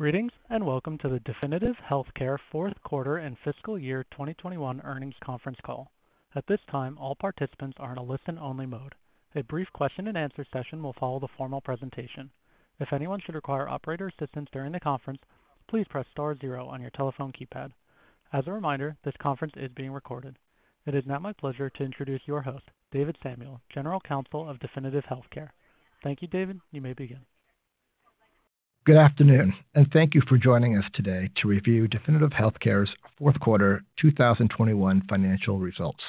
Greetings, and welcome to the Definitive Healthcare fourth quarter and fiscal year 2021 earnings conference call. At this time, all participants are in a listen-only mode. A brief question and answer session will follow the formal presentation. If anyone should require operator assistance during the conference, please press star zero on your telephone keypad. As a reminder, this conference is being recorded. It is now my pleasure to introduce your host, David Samuels, General Counsel of Definitive Healthcare. Thank you, David. You may begin. Good afternoon, and thank you for joining us today to review Definitive Healthcare's fourth quarter 2021 financial results.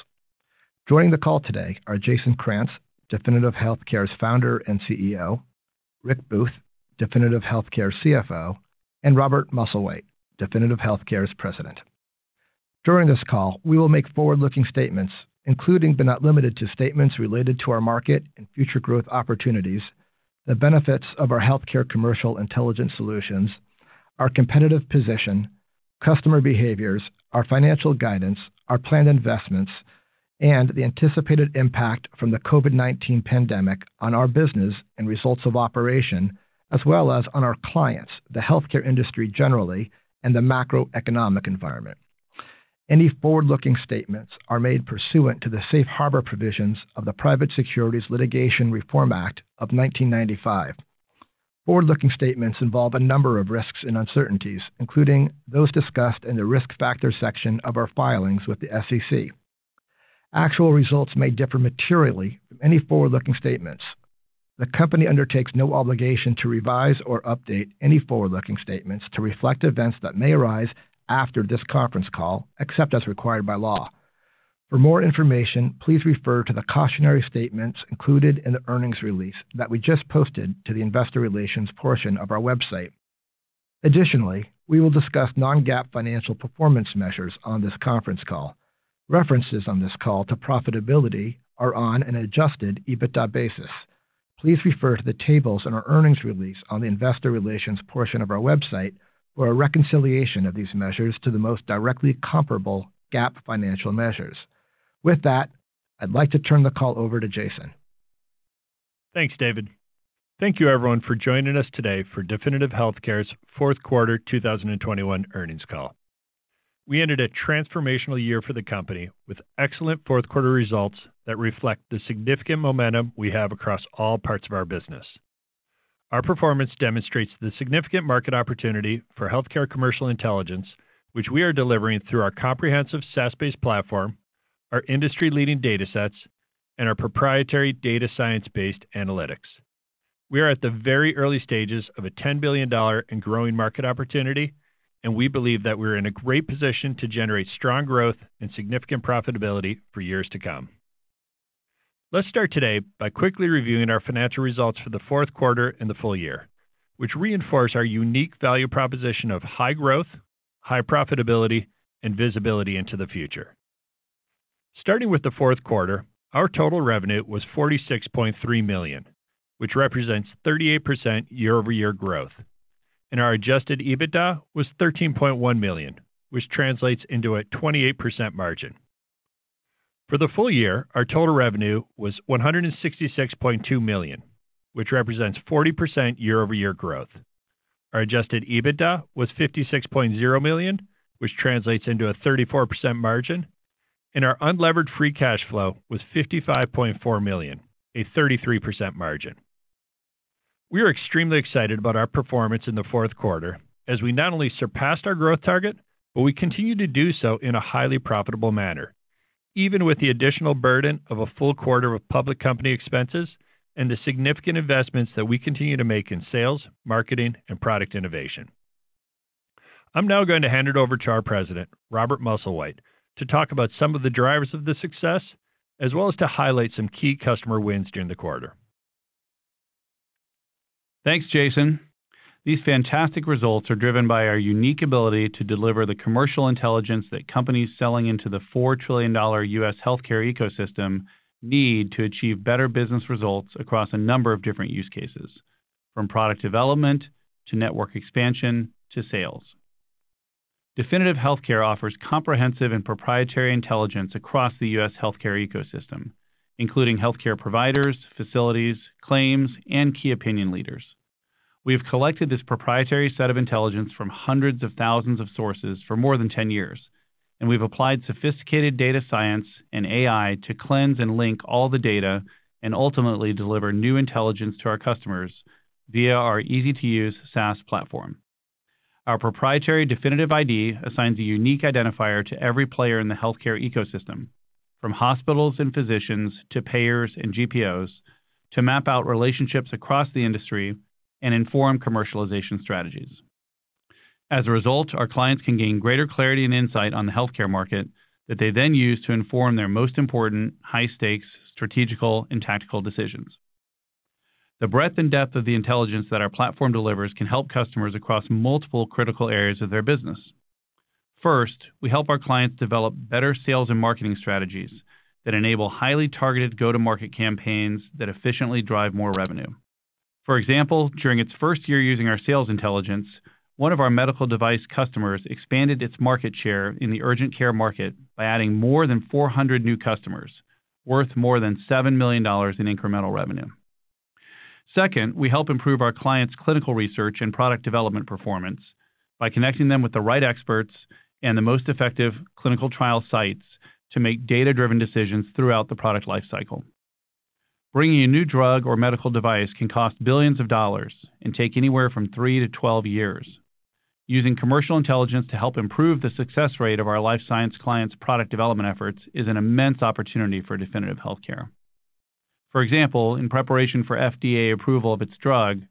Joining the call today are Jason Krantz, Definitive Healthcare's Founder and CEO, Rick Booth, Definitive Healthcare CFO, and Robert Musslewhite, Definitive Healthcare's President. During this call, we will make forward-looking statements, including, but not limited to, statements related to our market and future growth opportunities, the benefits of our healthcare commercial intelligence solutions, our competitive position, customer behaviors, our financial guidance, our planned investments, and the anticipated impact from the COVID-19 pandemic on our business and results of operations, as well as on our clients, the healthcare industry generally, and the macroeconomic environment. Any forward-looking statements are made pursuant to the safe harbor provisions of the Private Securities Litigation Reform Act of 1995. Forward-looking statements involve a number of risks and uncertainties, including those discussed in the Risk Factors section of our filings with the SEC. Actual results may differ materially from any forward-looking statements. The company undertakes no obligation to revise or update any forward-looking statements to reflect events that may arise after this conference call, except as required by law. For more information, please refer to the cautionary statements included in the earnings release that we just posted to the investor relations portion of our website. Additionally, we will discuss non-GAAP financial performance measures on this conference call. References on this call to profitability are on an adjusted EBITDA basis. Please refer to the tables in our earnings release on the investor relations portion of our website for a reconciliation of these measures to the most directly comparable GAAP financial measures. With that, I'd like to turn the call over to Jason. Thanks, David. Thank you everyone for joining us today for Definitive Healthcare's fourth quarter 2021 earnings call. We ended a transformational year for the company with excellent fourth quarter results that reflect the significant momentum we have across all parts of our business. Our performance demonstrates the significant market opportunity for healthcare commercial intelligence, which we are delivering through our comprehensive SaaS-based platform, our industry-leading datasets, and our proprietary data science-based analytics. We are at the very early stages of a $10 billion and growing market opportunity, and we believe that we're in a great position to generate strong growth and significant profitability for years to come. Let's start today by quickly reviewing our financial results for the fourth quarter and the full-year, which reinforce our unique value proposition of high growth, high profitability, and visibility into the future. Starting with the fourth quarter, our total revenue was $46.3 million, which represents 38% year-over-year growth. Our adjusted EBITDA was $13.1 million, which translates into a 28% margin. For the full-year, our total revenue was $166.2 million, which represents 40% year-over-year growth. Our adjusted EBITDA was $56.0 million, which translates into a 34% margin. Our unlevered free cash flow was $55.4 million, a 33% margin. We are extremely excited about our performance in the fourth quarter as we not only surpassed our growth target, but we continued to do so in a highly profitable manner, even with the additional burden of a full quarter of public company expenses and the significant investments that we continue to make in sales, marketing, and product innovation. I'm now going to hand it over to our President, Robert Musslewhite, to talk about some of the drivers of this success, as well as to highlight some key customer wins during the quarter. Thanks, Jason. These fantastic results are driven by our unique ability to deliver the commercial intelligence that companies selling into the $4 trillion U.S. healthcare ecosystem need to achieve better business results across a number of different use cases, from product development to network expansion to sales. Definitive Healthcare offers comprehensive and proprietary intelligence across the U.S. healthcare ecosystem, including healthcare providers, facilities, claims, and key opinion leaders. We have collected this proprietary set of intelligence from hundreds of thousands of sources for more than 10 years, and we've applied sophisticated data science and AI to cleanse and link all the data and ultimately deliver new intelligence to our customers via our easy-to-use SaaS platform. Our proprietary Definitive ID assigns a unique identifier to every player in the healthcare ecosystem, from hospitals and physicians to payers and GPOs, to map out relationships across the industry and inform commercialization strategies. As a result, our clients can gain greater clarity and insight on the healthcare market that they then use to inform their most important high-stakes strategic and tactical decisions. The breadth and depth of the intelligence that our platform delivers can help customers across multiple critical areas of their business. First, we help our clients develop better sales and marketing strategies that enable highly targeted go-to-market campaigns that efficiently drive more revenue. For example, during its first year using our sales intelligence, one of our medical device customers expanded its market share in the urgent care market by adding more than 400 new customers worth more than $7 million in incremental revenue. Second, we help improve our clients' clinical research and product development performance by connecting them with the right experts and the most effective clinical trial sites to make data-driven decisions throughout the product life cycle. Bringing a new drug or medical device can cost billions of dollars and take anywhere from three to 12 years. Using commercial intelligence to help improve the success rate of our life science clients' product development efforts is an immense opportunity for Definitive Healthcare. For example, in preparation for FDA approval of its drug,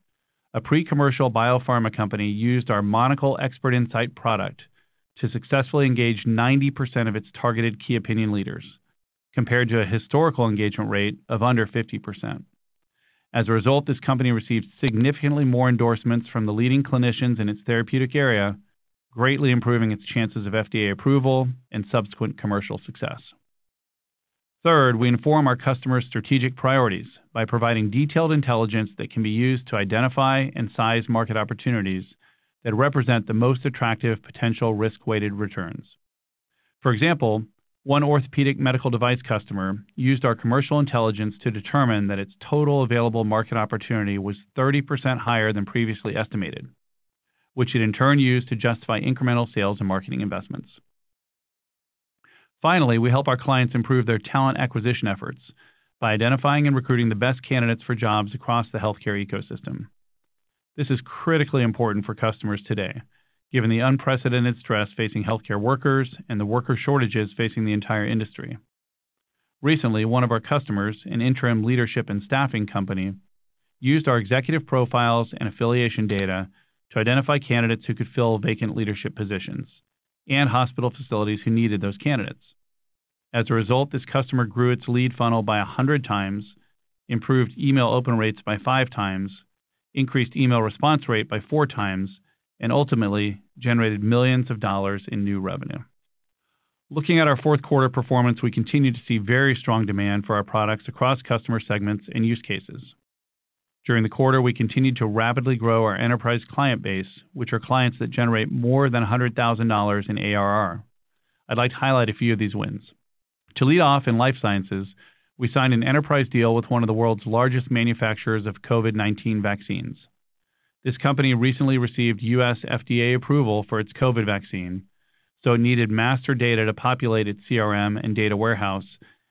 a pre-commercial biopharma company used our Monocl ExpertInsight product to successfully engage 90% of its targeted key opinion leaders, compared to a historical engagement rate of under 50%. As a result, this company received significantly more endorsements from the leading clinicians in its therapeutic area, greatly improving its chances of FDA approval and subsequent commercial success. Third, we inform our customers' strategic priorities by providing detailed intelligence that can be used to identify and size market opportunities that represent the most attractive potential risk-weighted returns. For example, one orthopedic medical device customer used our commercial intelligence to determine that its total available market opportunity was 30% higher than previously estimated, which it in turn used to justify incremental sales and marketing investments. Finally, we help our clients improve their talent acquisition efforts by identifying and recruiting the best candidates for jobs across the healthcare ecosystem. This is critically important for customers today, given the unprecedented stress facing healthcare workers and the worker shortages facing the entire industry. Recently, one of our customers, an interim leadership and staffing company, used our executive profiles and affiliation data to identify candidates who could fill vacant leadership positions and hospital facilities who needed those candidates. As a result, this customer grew its lead funnel by 100x, improved email open rates by 5x, increased email response rate by 4x, and ultimately generated millions of dollars in new revenue. Looking at our fourth quarter performance, we continue to see very strong demand for our products across customer segments and use cases. During the quarter, we continued to rapidly grow our enterprise client base, which are clients that generate more than $100,000 in ARR. I'd like to highlight a few of these wins. To lead off in life sciences, we signed an enterprise deal with one of the world's largest manufacturers of COVID-19 vaccines. This company recently received U.S. FDA approval for its COVID vaccine, so it needed master data to populate its CRM and data warehouse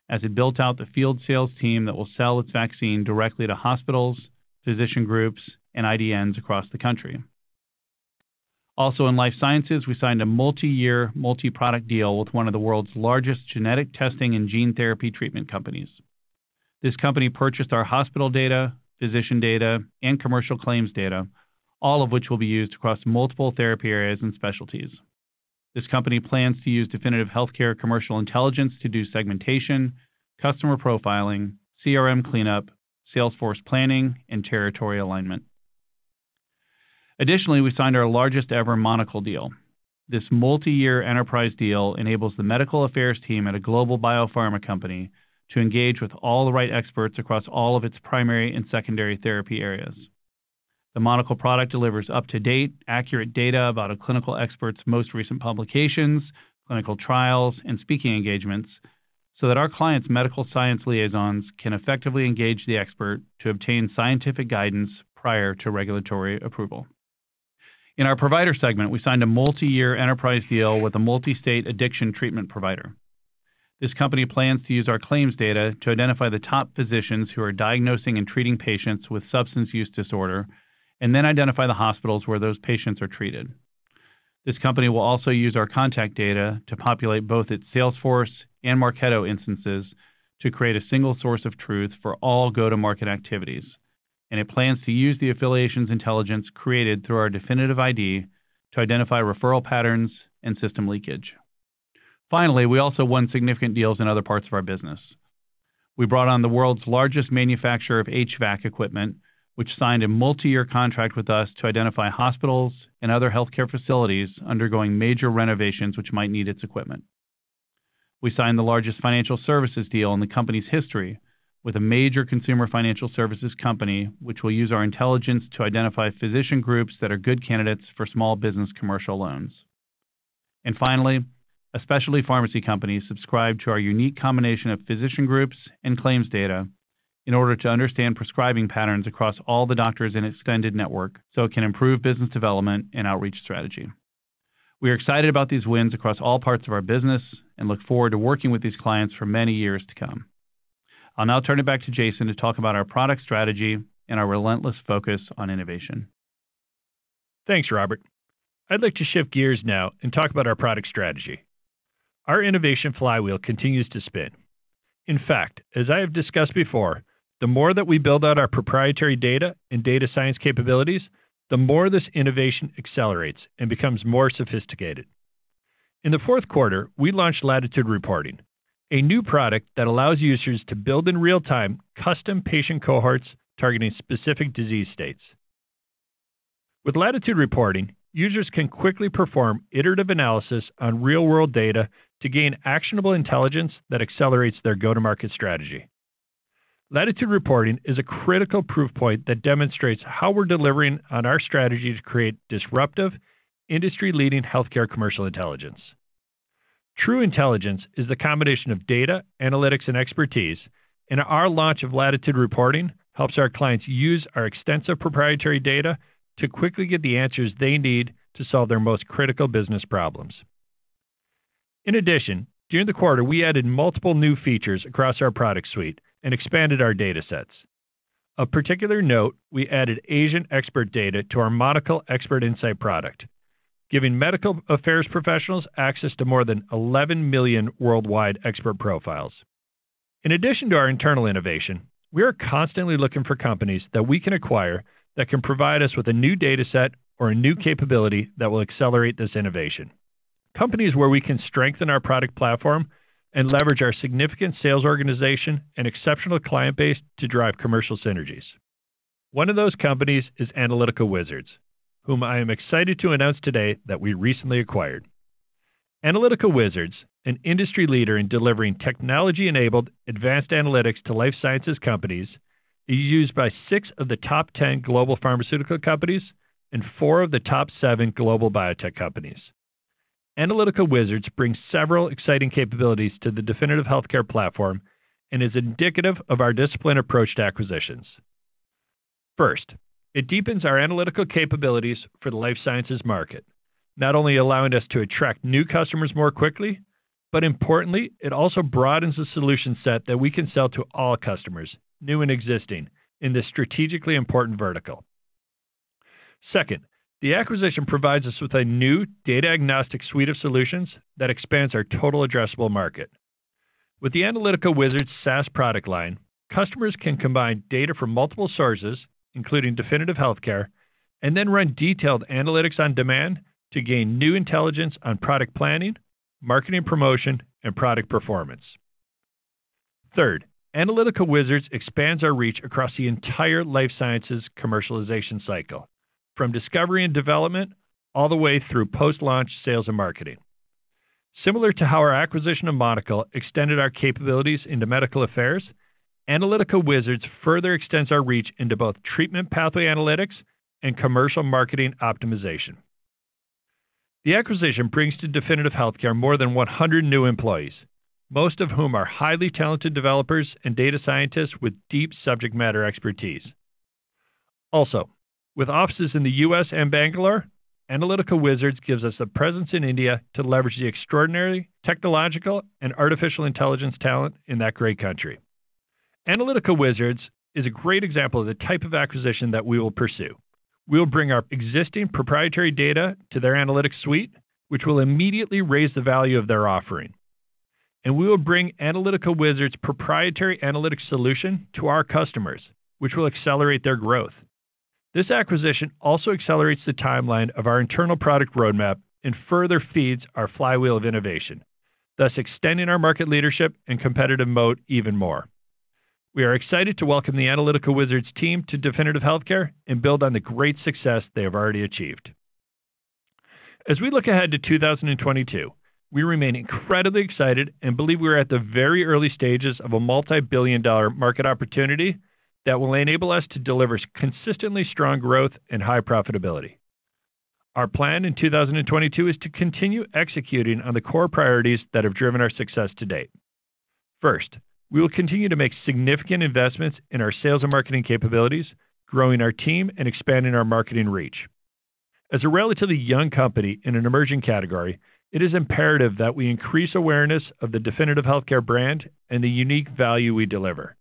as it built out the field sales team that will sell its vaccine directly to hospitals, physician groups, and IDNs across the country. Also in life sciences, we signed a multi-year, multi-product deal with one of the world's largest genetic testing and gene therapy treatment companies. This company purchased our hospital data, physician data, and commercial claims data, all of which will be used across multiple therapy areas and specialties. This company plans to use Definitive Healthcare commercial intelligence to do segmentation, customer profiling, CRM cleanup, sales force planning, and territory alignment. Additionally, we signed our largest-ever Monocl deal. This multi-year enterprise deal enables the medical affairs team at a global biopharma company to engage with all the right experts across all of its primary and secondary therapy areas. The Monocl product delivers up-to-date, accurate data about a clinical expert's most recent publications, clinical trials, and speaking engagements so that our clients' medical science liaisons can effectively engage the expert to obtain scientific guidance prior to regulatory approval. In our provider segment, we signed a multi-year enterprise deal with a multi-state addiction treatment provider. This company plans to use our claims data to identify the top physicians who are diagnosing and treating patients with substance use disorder and then identify the hospitals where those patients are treated. This company will also use our contact data to populate both its Salesforce and Marketo instances to create a single source of truth for all go-to-market activities, and it plans to use the affiliations intelligence created through our Definitive ID to identify referral patterns and system leakage. Finally, we also won significant deals in other parts of our business. We brought on the world's largest manufacturer of HVAC equipment, which signed a multi-year contract with us to identify hospitals and other healthcare facilities undergoing major renovations which might need its equipment. We signed the largest financial services deal in the company's history with a major consumer financial services company, which will use our intelligence to identify physician groups that are good candidates for small business commercial loans. Finally, a specialty pharmacy company subscribed to our unique combination of physician groups and claims data in order to understand prescribing patterns across all the doctors in its extended network so it can improve business development and outreach strategy. We are excited about these wins across all parts of our business and look forward to working with these clients for many years to come. I'll now turn it back to Jason to talk about our product strategy and our relentless focus on innovation. Thanks, Robert. I'd like to shift gears now and talk about our product strategy. Our innovation flywheel continues to spin. In fact, as I have discussed before, the more that we build out our proprietary data and data science capabilities, the more this innovation accelerates and becomes more sophisticated. In the fourth quarter, we launched Latitude Reporting, a new product that allows users to build in real time custom patient cohorts targeting specific disease states. With Latitude Reporting, users can quickly perform iterative analysis on real-world data to gain actionable intelligence that accelerates their go-to-market strategy. Latitude Reporting is a critical proof point that demonstrates how we're delivering on our strategy to create disruptive, industry-leading healthcare commercial intelligence. True intelligence is the combination of data, analytics, and expertise, and our launch of Latitude Reporting helps our clients use our extensive proprietary data to quickly get the answers they need to solve their most critical business problems. In addition, during the quarter we added multiple new features across our product suite and expanded our data sets. Of particular note, we added Asian expert data to our Monocl ExpertInsight product, giving medical affairs professionals access to more than 11 million worldwide expert profiles. In addition to our internal innovation, we are constantly looking for companies that we can acquire that can provide us with a new data set or a new capability that will accelerate this innovation. Companies where we can strengthen our product platform and leverage our significant sales organization and exceptional client base to drive commercial synergies. One of those companies is Analytical Wizards, whom I am excited to announce today that we recently acquired. Analytical Wizards, an industry leader in delivering technology enabled advanced analytics to life sciences companies, is used by six of the top 10 global pharmaceutical companies and four of the top seven global biotech companies. Analytical Wizards brings several exciting capabilities to the Definitive Healthcare platform and is indicative of our disciplined approach to acquisitions. First, it deepens our analytical capabilities for the life sciences market, not only allowing us to attract new customers more quickly, but importantly, it also broadens the solution set that we can sell to all customers, new and existing, in this strategically important vertical. Second, the acquisition provides us with a new data agnostic suite of solutions that expands our total addressable market. With the Analytical Wizards SaaS product line, customers can combine data from multiple sources, including Definitive Healthcare, and then run detailed analytics on demand to gain new intelligence on product planning, marketing promotion, and product performance. Third, Analytical Wizards expands our reach across the entire life sciences commercialization cycle, from discovery and development all the way through post-launch sales and marketing. Similar to how our acquisition of Monocl extended our capabilities into medical affairs, Analytical Wizards further extends our reach into both treatment pathway analytics and commercial marketing optimization. The acquisition brings to Definitive Healthcare more than 100 new employees, most of whom are highly talented developers and data scientists with deep subject matter expertise. Also, with offices in The U.S. and Bangalore, Analytical Wizards gives us a presence in India to leverage the extraordinary technological and artificial intelligence talent in that great country. Analytical Wizards is a great example of the type of acquisition that we will pursue. We will bring our existing proprietary data to their analytics suite, which will immediately raise the value of their offering. We will bring Analytical Wizards' proprietary analytics solution to our customers, which will accelerate their growth. This acquisition also accelerates the timeline of our internal product roadmap and further feeds our flywheel of innovation, thus extending our market leadership and competitive moat even more. We are excited to welcome the Analytical Wizards team to Definitive Healthcare and build on the great success they have already achieved. As we look ahead to 2022, we remain incredibly excited and believe we are at the very early stages of a multi-billion-dollar market opportunity that will enable us to deliver consistently strong growth and high profitability. Our plan in 2022 is to continue executing on the core priorities that have driven our success to date. First, we will continue to make significant investments in our sales and marketing capabilities, growing our team and expanding our marketing reach. As a relatively young company in an emerging category, it is imperative that we increase awareness of the Definitive Healthcare brand and the unique value we deliver.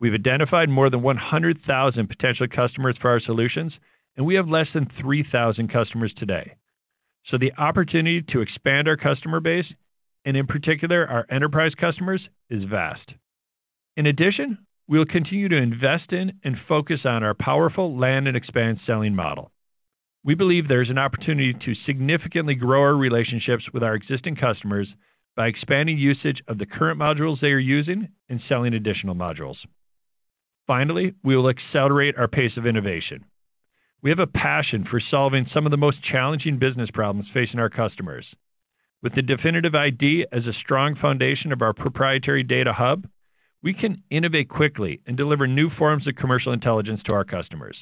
We've identified more than 100,000 potential customers for our solutions, and we have less than 3,000 customers today. The opportunity to expand our customer base, and in particular our enterprise customers, is vast. In addition, we will continue to invest in and focus on our powerful land and expand selling model. We believe there is an opportunity to significantly grow our relationships with our existing customers by expanding usage of the current modules they are using and selling additional modules. Finally, we will accelerate our pace of innovation. We have a passion for solving some of the most challenging business problems facing our customers. With the Definitive ID as a strong foundation of our proprietary data hub, we can innovate quickly and deliver new forms of commercial intelligence to our customers.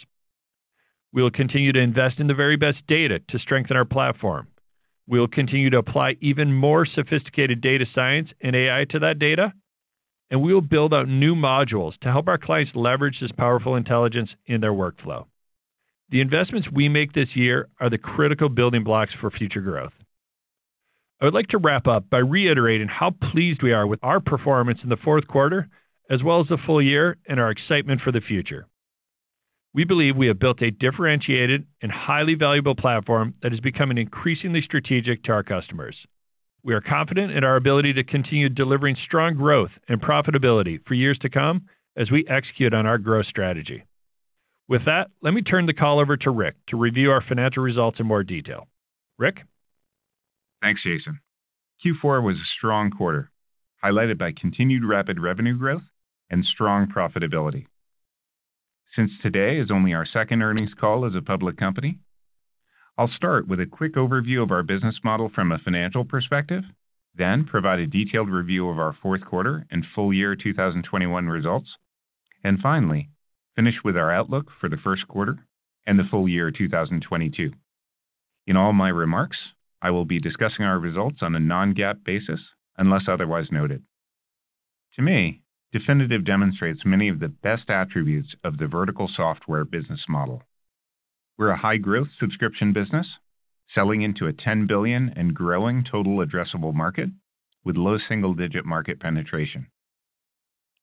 We will continue to invest in the very best data to strengthen our platform. We will continue to apply even more sophisticated data science and AI to that data, and we will build out new modules to help our clients leverage this powerful intelligence in their workflow. The investments we make this year are the critical building blocks for future growth. I would like to wrap up by reiterating how pleased we are with our performance in the fourth quarter as well as the full-year and our excitement for the future. We believe we have built a differentiated and highly valuable platform that is becoming increasingly strategic to our customers. We are confident in our ability to continue delivering strong growth and profitability for years to come as we execute on our growth strategy. With that, let me turn the call over to Rick to review our financial results in more detail. Rick? Thanks, Jason. Q4 was a strong quarter, highlighted by continued rapid revenue growth and strong profitability. Since today is only our second earnings call as a public company, I'll start with a quick overview of our business model from a financial perspective, then provide a detailed review of our fourth quarter and full-year 2021 results. Finally, finish with our outlook for the first quarter and the full-year 2022. In all my remarks, I will be discussing our results on a non-GAAP basis, unless otherwise noted. To me, Definitive demonstrates many of the best attributes of the vertical software business model. We're a high-growth subscription business selling into a $10 billion and growing total addressable market with low single-digit market penetration.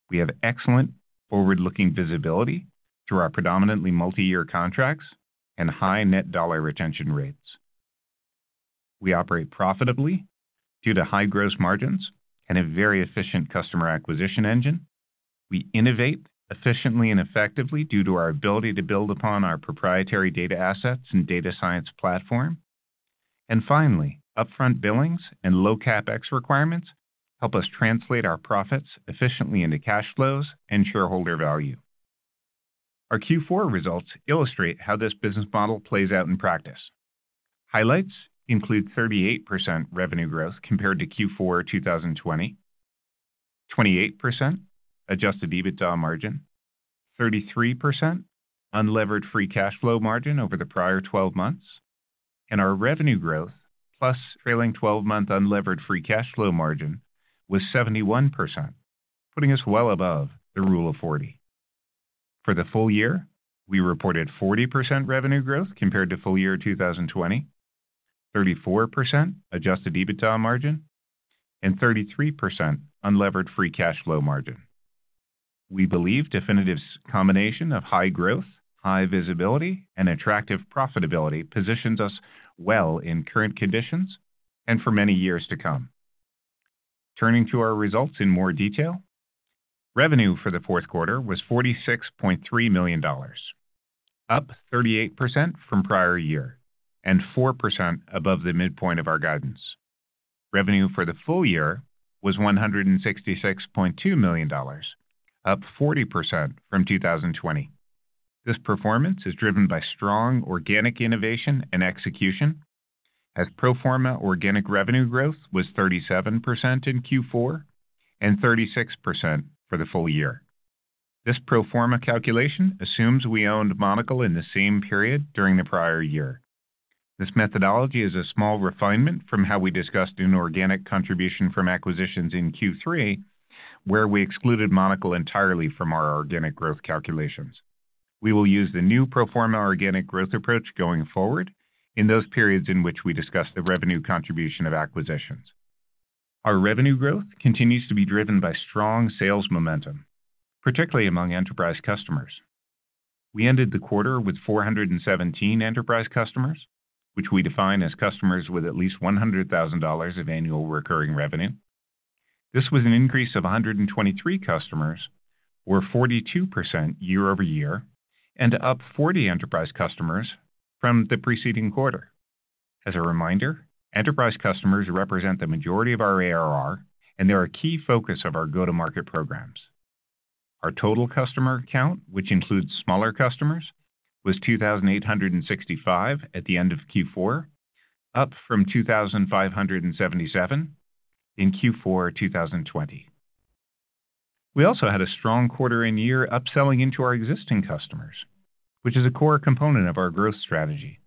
We have excellent forward-looking visibility through our predominantly multi-year contracts and high net dollar retention rates. We operate profitably due to high gross margins and a very efficient customer acquisition engine. We innovate efficiently and effectively due to our ability to build upon our proprietary data assets and data science platform. Finally, upfront billings and low CapEx requirements help us translate our profits efficiently into cash flows and shareholder value. Our Q4 results illustrate how this business model plays out in practice. Highlights include 38% revenue growth compared to Q4 2020, 28% adjusted EBITDA margin, 33% unlevered free cash flow margin over the prior 12 months, and our revenue growth plus trailing 12-month unlevered free cash flow margin was 71%, putting us well above the rule of 40. For the full-year, we reported 40% revenue growth compared to full-year 2020, 34% adjusted EBITDA margin, and 33% unlevered free cash flow margin. We believe Definitive's combination of high growth, high visibility, and attractive profitability positions us well in current conditions and for many years to come. Turning to our results in more detail, revenue for the fourth quarter was $46.3 million, up 38% from prior year and 4% above the midpoint of our guidance. Revenue for the full-year was $166.2 million, up 40% from 2020. This performance is driven by strong organic innovation and execution as pro forma organic revenue growth was 37% in Q4 and 36% for the full-year. This pro forma calculation assumes we owned Monocl in the same period during the prior year. This methodology is a small refinement from how we discussed inorganic contribution from acquisitions in Q3, where we excluded Monocl entirely from our organic growth calculations. We will use the new pro forma organic growth approach going forward in those periods in which we discuss the revenue contribution of acquisitions. Our revenue growth continues to be driven by strong sales momentum, particularly among enterprise customers. We ended the quarter with 417 enterprise customers, which we define as customers with at least $100,000 of annual recurring revenue. This was an increase of 123 customers, or 42% year-over-year, and up 40 enterprise customers from the preceding quarter. As a reminder, enterprise customers represent the majority of our ARR, and they're a key focus of our go-to-market programs. Our total customer count, which includes smaller customers, was 2,865 at the end of Q4, up from 2,577 in Q4 2020. We also had a strong quarter and year upselling into our existing customers, which is a core component of our growth strategy.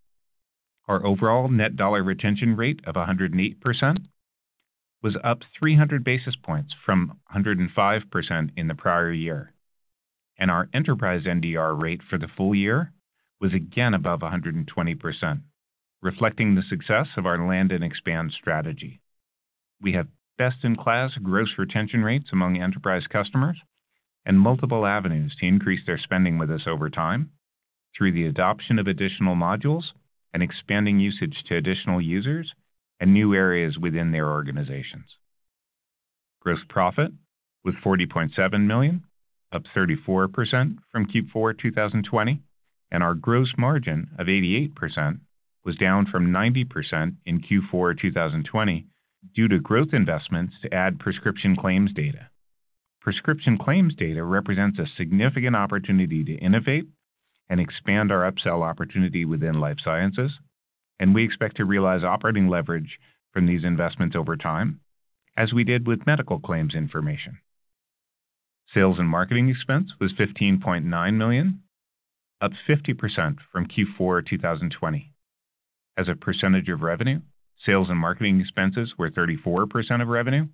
Our overall net dollar retention rate of 108% was up 300 basis points from 105% in the prior year. Our enterprise NDR rate for the full-year was again above 120%, reflecting the success of our land and expand strategy. We have best-in-class gross retention rates among enterprise customers and multiple avenues to increase their spending with us over time through the adoption of additional modules and expanding usage to additional users and new areas within their organizations. Gross profit was $40.7 million, up 34% from Q4 2020, and our gross margin of 88% was down from 90% in Q4 2020 due to growth investments to add prescription claims data. Prescription claims data represents a significant opportunity to innovate and expand our upsell opportunity within life sciences, and we expect to realize operating leverage from these investments over time, as we did with medical claims information. Sales and marketing expense was $15.9 million, up 50% from Q4 2020. As a percentage of revenue, sales and marketing expenses were 34% of revenue,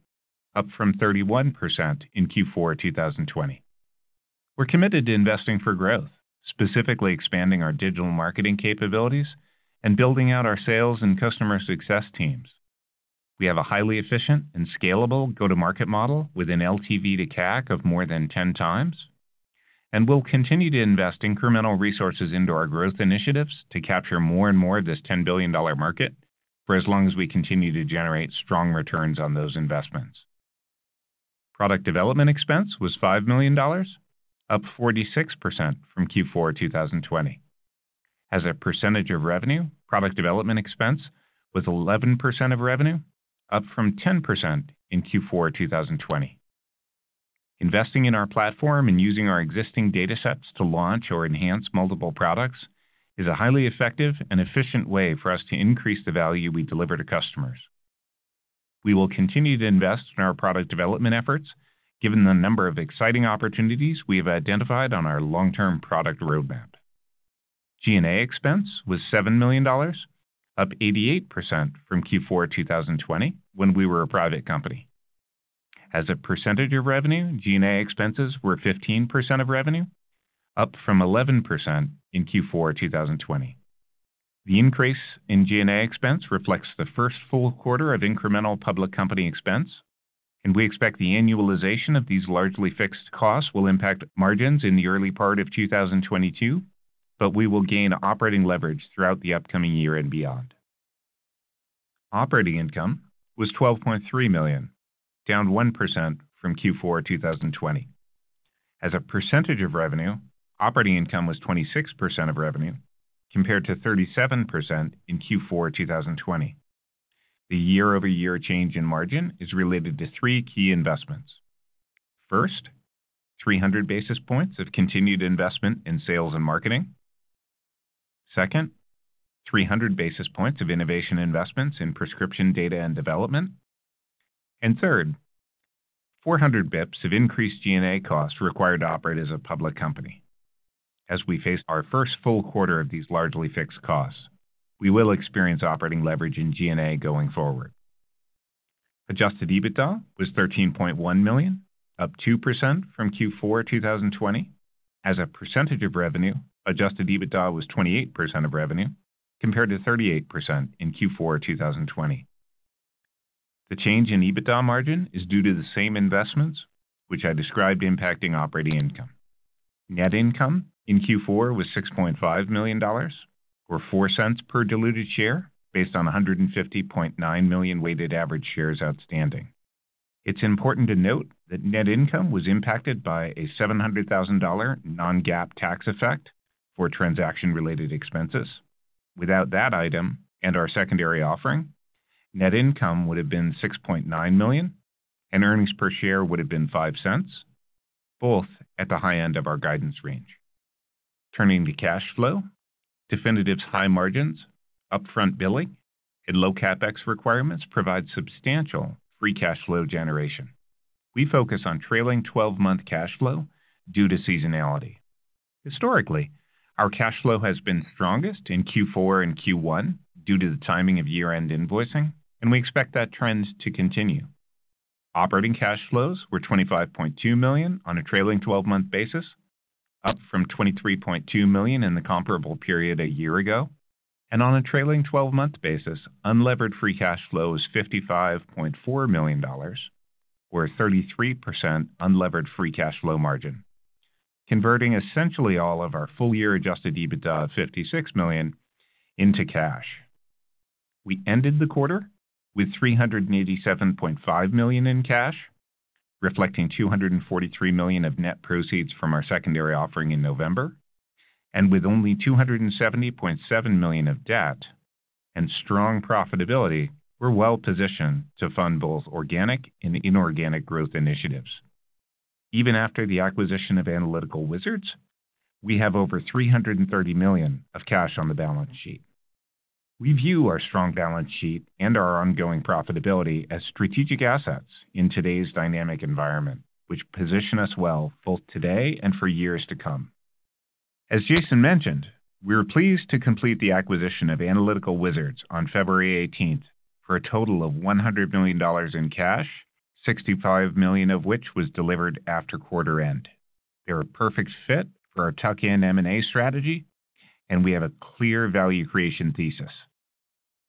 up from 31% in Q4 2020. We're committed to investing for growth, specifically expanding our digital marketing capabilities and building out our sales and customer success teams. We have a highly efficient and scalable go-to-market model with an LTV to CAC of more than 10x, and we'll continue to invest incremental resources into our growth initiatives to capture more and more of this $10 billion market for as long as we continue to generate strong returns on those investments. Product development expense was $5 million, up 46% from Q4 2020. As a percentage of revenue, product development expense was 11% of revenue, up from 10% in Q4 2020. Investing in our platform and using our existing datasets to launch or enhance multiple products is a highly effective and efficient way for us to increase the value we deliver to customers. We will continue to invest in our product development efforts given the number of exciting opportunities we have identified on our long-term product roadmap. G&A expense was $7 million, up 88% from Q4 2020 when we were a private company. As a percentage of revenue, G&A expenses were 15% of revenue, up from 11% in Q4 2020. The increase in G&A expense reflects the first full quarter of incremental public company expense, and we expect the annualization of these largely fixed costs will impact margins in the early part of 2022, but we will gain operating leverage throughout the upcoming year and beyond. Operating income was $12.3 million, down 1% from Q4 2020. As a percentage of revenue, operating income was 26% of revenue compared to 37% in Q4 2020. The year-over-year change in margin is related to three key investments. First, 300 basis points of continued investment in sales and marketing. Second, 300 basis points of innovation investments in prescription data and development. Third, 400 basis points of increased G&A costs required to operate as a public company. As we face our first full quarter of these largely fixed costs, we will experience operating leverage in G&A going forward. Adjusted EBITDA was $13.1 million, up 2% from Q4 2020. As a percentage of revenue, adjusted EBITDA was 28% of revenue compared to 38% in Q4 2020. The change in EBITDA margin is due to the same investments which I described impacting operating income. Net income in Q4 was $6.5 million or $0.04 per diluted share based on 150.9 million weighted average shares outstanding. It's important to note that net income was impacted by a $700,000 non-GAAP tax effect for transaction-related expenses. Without that item and our secondary offering, net income would have been $6.9 million, and earnings per share would have been $0.05, both at the high end of our guidance range. Turning to cash flow, Definitive's high margins, upfront billing, and low CapEx requirements provide substantial free cash flow generation. We focus on trailing 12-month cash flow due to seasonality. Historically, our cash flow has been strongest in Q4 and Q1 due to the timing of year-end invoicing, and we expect that trend to continue. Operating cash flows were $25.2 million on a trailing 12-month basis, up from $23.2 million in the comparable period a year ago. On a trailing 12-month basis, unlevered free cash flow is $55.4 million or 33% unlevered free cash flow margin, converting essentially all of our full-year adjusted EBITDA of $56 million into cash. We ended the quarter with $387.5 million in cash, reflecting $243 million of net proceeds from our secondary offering in November. With only $270.7 million of debt and strong profitability, we're well-positioned to fund both organic and inorganic growth initiatives. Even after the acquisition of Analytical Wizards, we have over $330 million of cash on the balance sheet. We view our strong balance sheet and our ongoing profitability as strategic assets in today's dynamic environment, which position us well both today and for years to come. As Jason mentioned, we were pleased to complete the acquisition of Analytical Wizards on February 18th for a total of $100 million in cash, $65 million of which was delivered after quarter end. They're a perfect fit for our tuck-in M&A strategy, and we have a clear value creation thesis.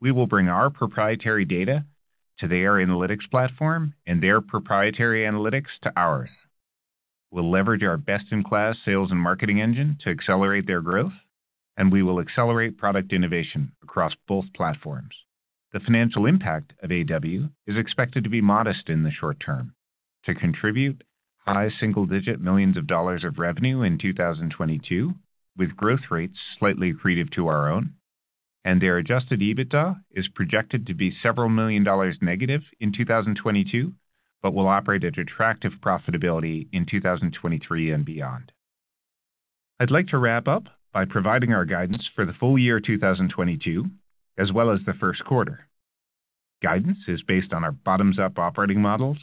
We will bring our proprietary data to their analytics platform and their proprietary analytics to ours. We'll leverage our best-in-class sales and marketing engine to accelerate their growth, and we will accelerate product innovation across both platforms. The financial impact of AW is expected to be modest in the short-term to contribute high single-digit millions of dollars of revenue in 2022, with growth rates slightly accretive to our own. Their adjusted EBITDA is projected to be several million dollars negative in 2022, but will operate at attractive profitability in 2023 and beyond. I'd like to wrap up by providing our guidance for the full-year 2022 as well as the first quarter. Guidance is based on our bottoms-up operating models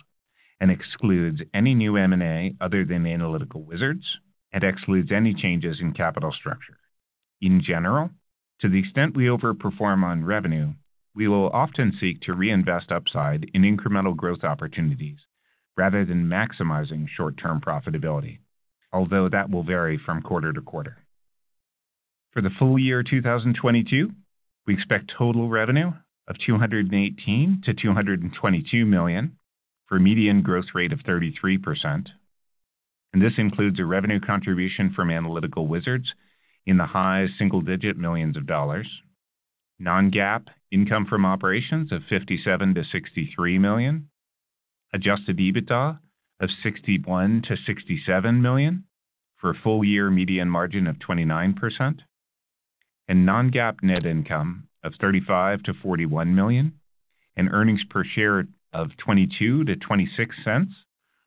and excludes any new M&A other than Analytical Wizards and excludes any changes in capital structure. In general, to the extent we overperform on revenue, we will often seek to reinvest upside in incremental growth opportunities rather than maximizing short-term profitability, although that will vary from quarter to quarter. For the full-year 2022, we expect total revenue of $218 million-$222 million for a median growth rate of 33%. This includes a revenue contribution from Analytical Wizards in the high single-digit millions of dollars. Non-GAAP income from operations of $57 million-$63 million. Adjusted EBITDA of $61 million-$67 million for a full-year median margin of 29%. Non-GAAP net income of $35 million-$41 million. Earnings per share of $0.22-$0.26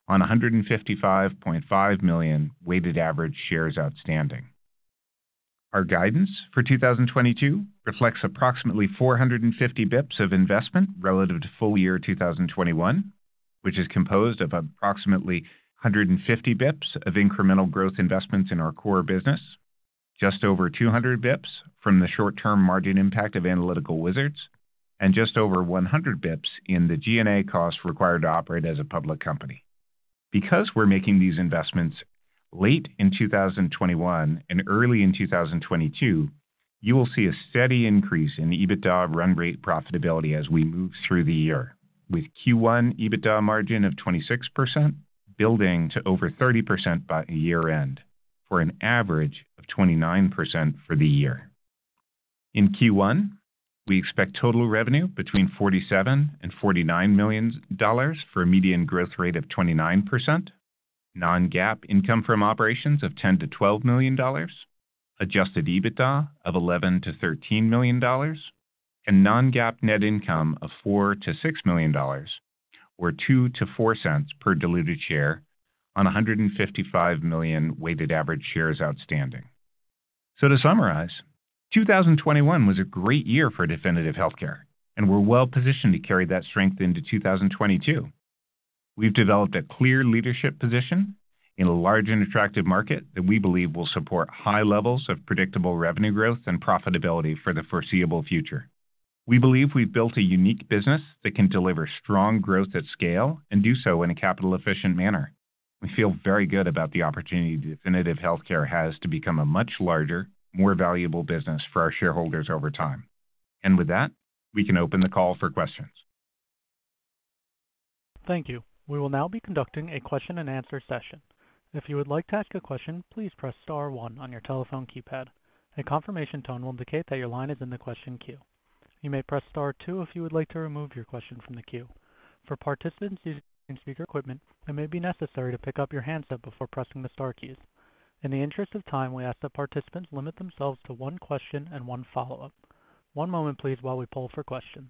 on 155.5 million weighted average shares outstanding. Our guidance for 2022 reflects approximately 450 BPS of investment relative to full-year 2021, which is composed of approximately 150 BPS of incremental growth investments in our core business. Just over 200 BPS from the short-term margin impact of Analytical Wizards and just over 100 BPS in the G&A costs required to operate as a public company. Because we're making these investments late in 2021 and early in 2022, you will see a steady increase in EBITDA run rate profitability as we move through the year, with Q1 EBITDA margin of 26% building to over 30% by year-end for an average of 29% for the year. In Q1, we expect total revenue between $47 million and $49 million for a median growth rate of 29%. Non-GAAP income from operations of $10 million-$12 million. Adjusted EBITDA of $11 million-$13 million. Non-GAAP net income of $4 million-$6 million or $0.02-$0.04 Per diluted share on 155 million weighted average shares outstanding. To summarize, 2021 was a great year for Definitive Healthcare, and we're well positioned to carry that strength into 2022. We've developed a clear leadership position in a large and attractive market that we believe will support high levels of predictable revenue growth and profitability for the foreseeable future. We believe we've built a unique business that can deliver strong growth at scale and do so in a capital efficient manner. We feel very good about the opportunity Definitive Healthcare has to become a much larger, more valuable business for our shareholders over time. With that, we can open the call for questions. Thank you. We will now be conducting a question-and-answer session. If you would like to ask a question, please press star one on your telephone keypad. A confirmation tone will indicate that your line is in the question queue. You may press star two if you would like to remove your question from the queue. For participants using speaker equipment, it may be necessary to pick up your handset before pressing the star keys. In the interest of time, we ask that participants limit themselves to one question and one follow-up. One moment please while we poll for questions.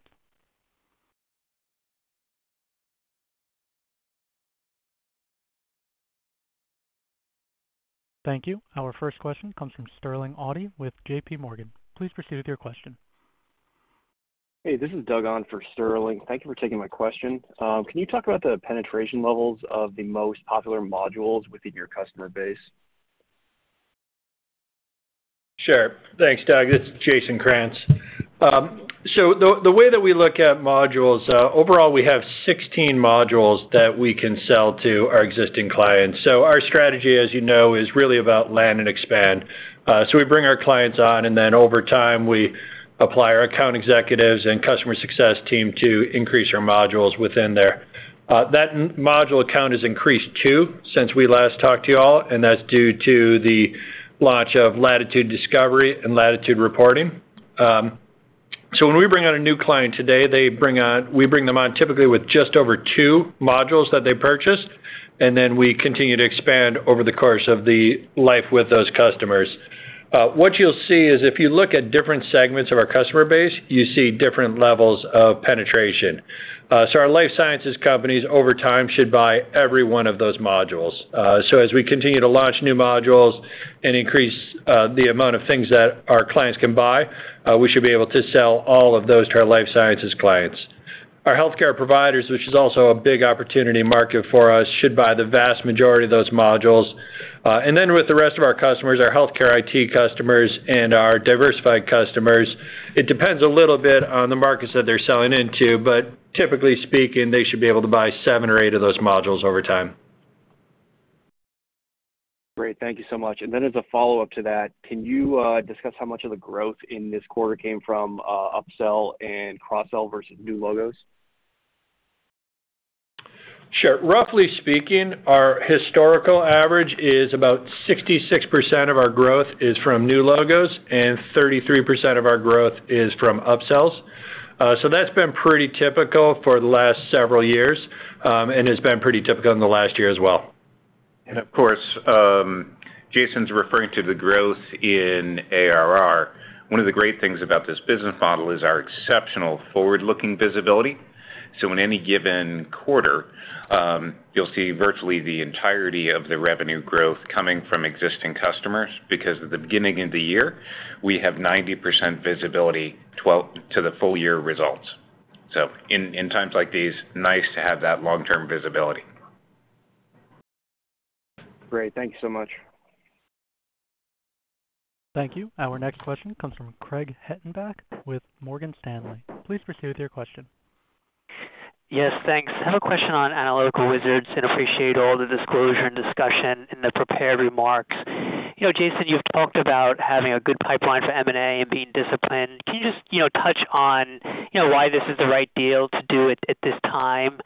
Thank you. Our first question comes from Sterling Auty with JPMorgan. Please proceed with your question. Hey, this is Doug on for Sterling. Thank you for taking my question. Can you talk about the penetration levels of the most popular modules within your customer base? Sure. Thanks, Doug. This is Jason Krantz. The way that we look at modules overall, we have 16 modules that we can sell to our existing clients. Our strategy, as you know, is really about land and expand. We bring our clients on, and then over time, we apply our account executives and customer success team to increase our modules within there. That module count has increased too since we last talked to you all, and that's due to the launch of Latitude Discovery and Latitude Reporting. When we bring on a new client today, we bring them on typically with just over two modules that they purchased, and then we continue to expand over the course of the life with those customers. What you'll see is if you look at different segments of our customer base, you see different levels of penetration. Our life sciences companies over time should buy every one of those modules. As we continue to launch new modules and increase the amount of things that our clients can buy, we should be able to sell all of those to our life sciences clients. Our healthcare providers, which is also a big opportunity market for us, should buy the vast majority of those modules. With the rest of our customers, our healthcare IT customers and our diversified customers, it depends a little bit on the markets that they're selling into, but typically speaking, they should be able to buy seven or eight of those modules over time. Great. Thank you so much. As a follow-up to that, can you discuss how much of the growth in this quarter came from upsell and cross-sell versus new logos? Sure. Roughly speaking, our historical average is about 66% of our growth is from new logos and 33% of our growth is from upsells. That's been pretty typical for the last several years, and has been pretty typical in the last year as well. Of course, Jason's referring to the growth in ARR. One of the great things about this business model is our exceptional forward-looking visibility. In any given quarter, you'll see virtually the entirety of the revenue growth coming from existing customers. Because at the beginning of the year, we have 90% visibility into the full-year results. In times like these, nice to have that long-term visibility. Great. Thank you so much. Thank you. Our next question comes from Craig Hettenbach with Morgan Stanley. Please proceed with your question. Yes, thanks. I have a question on Analytical Wizards and appreciate all the disclosure and discussion in the prepared remarks. You know, Jason, you've talked about having a good pipeline for M&A and being disciplined. Can you just, you know, touch on, you know, why this is the right deal to do it at this time,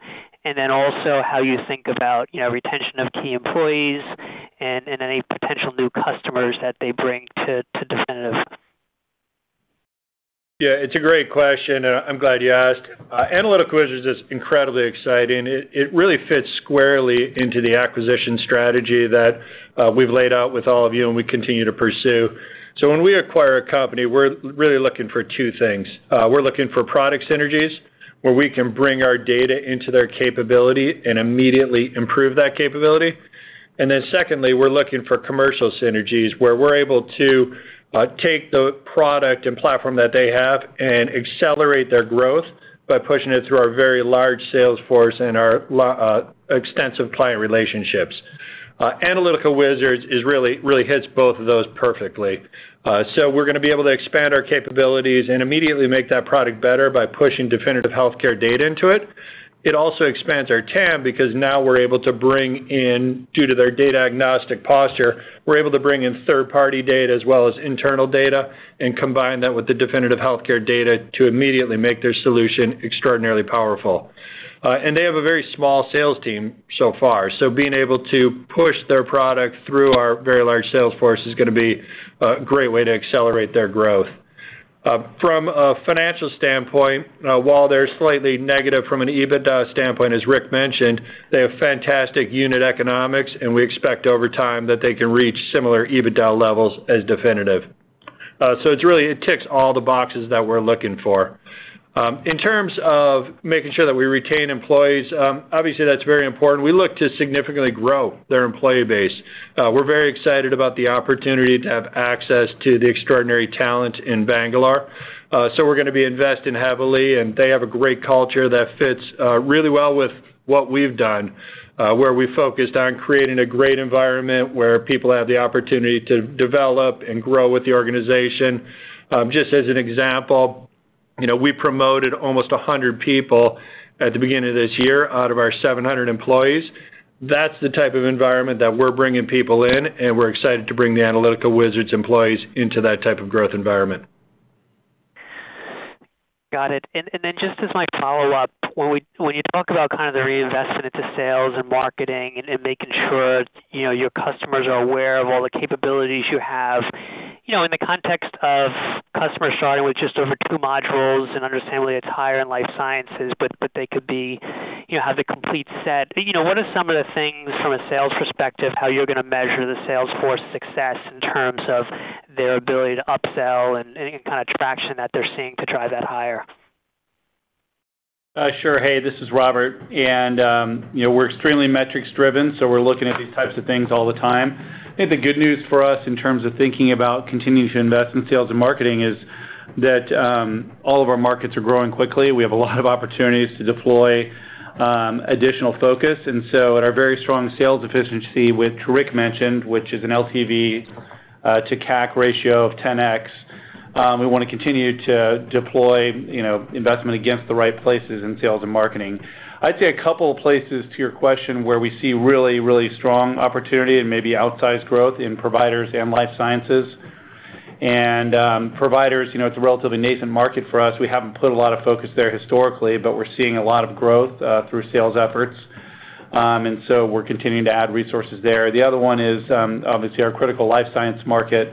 and then also how you think about, you know, retention of key employees and any potential new customers that they bring to Definitive? Yeah, it's a great question. I'm glad you asked. Analytical Wizards is incredibly exciting. It really fits squarely into the acquisition strategy that we've laid out with all of you and we continue to pursue. When we acquire a company, we're really looking for two things. We're looking for product synergies, where we can bring our data into their capability and immediately improve that capability. Then secondly, we're looking for commercial synergies where we're able to take the product and platform that they have and accelerate their growth by pushing it through our very large sales force and our extensive client relationships. Analytical Wizards really hits both of those perfectly. We're gonna be able to expand our capabilities and immediately make that product better by pushing Definitive Healthcare data into it. It also expands our TAM because now, due to their data agnostic posture, we're able to bring in third-party data as well as internal data and combine that with the Definitive Healthcare data to immediately make their solution extraordinarily powerful. They have a very small sales team so far. Being able to push their product through our very large sales force is gonna be a great way to accelerate their growth. From a financial standpoint, while they're slightly negative from an EBITDA standpoint, as Rick mentioned, they have fantastic unit economics, and we expect over time that they can reach similar EBITDA levels as Definitive. It's really, it ticks all the boxes that we're looking for. In terms of making sure that we retain employees, obviously that's very important. We look to significantly grow their employee base. We're very excited about the opportunity to have access to the extraordinary talent in Bangalore. We're gonna be investing heavily, and they have a great culture that fits really well with what we've done, where we focused on creating a great environment where people have the opportunity to develop and grow with the organization. Just as an example, you know, we promoted almost 100 people at the beginning of this year out of our 700 employees. That's the type of environment that we're bringing people in, and we're excited to bring the Analytical Wizards employees into that type of growth environment. Got it. Then just as my follow-up, when you talk about the reinvestment into sales and marketing and making sure, you know, your customers are aware of all the capabilities you have, you know, in the context of customers starting with just over two modules, and understandably it's higher in life sciences, but they could be, you know, have the complete set. You know, what are some of the things from a sales perspective, how you're gonna measure the sales force success in terms of their ability to upsell and any kind of traction that they're seeing to drive that higher? Sure. Hey, this is Robert, and you know, we're extremely metrics-driven, so we're looking at these types of things all the time. I think the good news for us in terms of thinking about continuing to invest in sales and marketing is that all of our markets are growing quickly. We have a lot of opportunities to deploy additional focus. At our very strong sales efficiency, which Rick mentioned, which is an LTV to CAC ratio of 10x, we wanna continue to deploy you know, investment against the right places in sales and marketing. I'd say a couple of places to your question where we see really, really strong opportunity and maybe outsized growth in providers and life sciences. Providers, you know, it's a relatively nascent market for us. We haven't put a lot of focus there historically, but we're seeing a lot of growth through sales efforts. We're continuing to add resources there. The other one is obviously our critical life science market,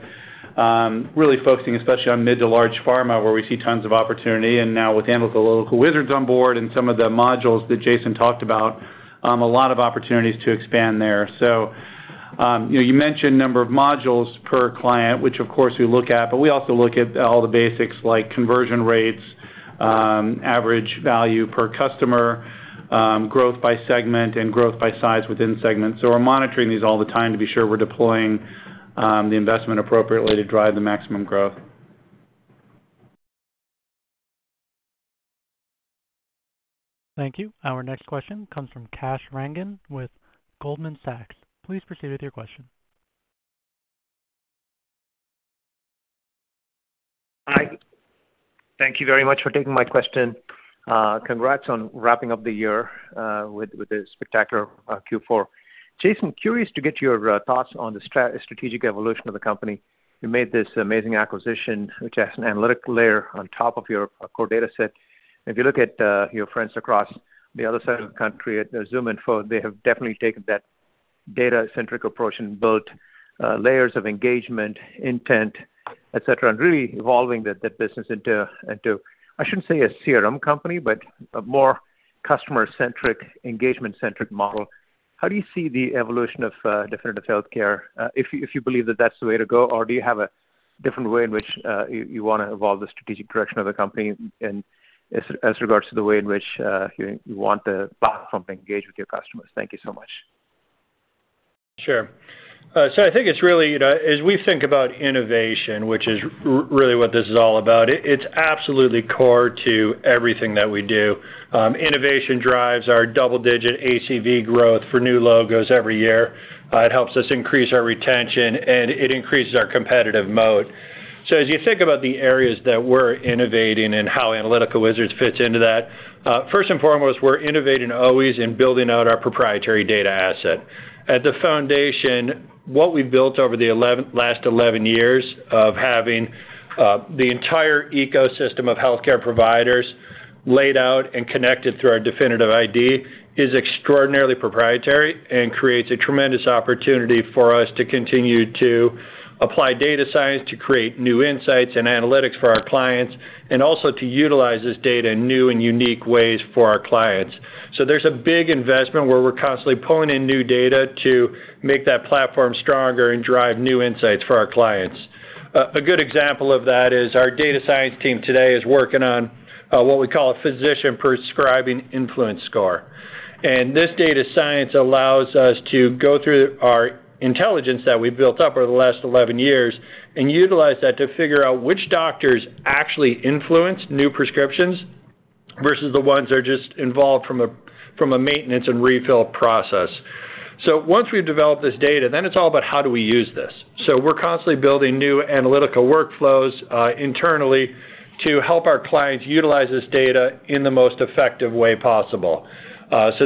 really focusing especially on mid to large pharma, where we see tons of opportunity. Now with Analytical Wizards on board and some of the modules that Jason talked about, a lot of opportunities to expand there. You know, you mentioned number of modules per client, which of course we look at, but we also look at all the basics like conversion rates, average value per customer, growth by segment and growth by size within segments. We're monitoring these all the time to be sure we're deploying the investment appropriately to drive the maximum growth. Thank you. Our next question comes from Kash Rangan with Goldman Sachs. Please proceed with your question. Hi. Thank you very much for taking my question. Congrats on wrapping up the year with a spectacular Q4. Jason, curious to get your thoughts on the strategic evolution of the company. You made this amazing acquisition, which adds an analytical layer on top of your core dataset. If you look at your friends across the other side of the country at ZoomInfo, they have definitely taken that data-centric approach and built layers of engagement, intent, et cetera, and really evolving the business into I shouldn't say a CRM company, but a more customer-centric, engagement-centric model. How do you see the evolution of Definitive Healthcare, if you believe that's the way to go, or do you have a different way in which you wanna evolve the strategic direction of the company in, as regards to the way in which you want the platform to engage with your customers? Thank you so much. Sure. I think it's really, you know, as we think about innovation, which is really what this is all about, it's absolutely core to everything that we do. Innovation drives our double-digit ACV growth for new logos every year. It helps us increase our retention, and it increases our competitive moat. As you think about the areas that we're innovating and how Analytical Wizards fits into that, first and foremost, we're innovating always in building out our proprietary data asset. At the foundation, what we built over the last 11 years of having the entire ecosystem of healthcare providers laid out and connected through our Definitive ID is extraordinarily proprietary and creates a tremendous opportunity for us to continue to apply data science, to create new insights and analytics for our clients, and also to utilize this data in new and unique ways for our clients. There's a big investment where we're constantly pulling in new data to make that platform stronger and drive new insights for our clients. A good example of that is our data science team today is working on what we call a physician prescribing influence score. This data science allows us to go through our intelligence that we've built up over the last 11 years and utilize that to figure out which doctors actually influence new prescriptions versus the ones that are just involved from a maintenance and refill process. Once we've developed this data, then it's all about how do we use this. We're constantly building new analytical workflows internally to help our clients utilize this data in the most effective way possible.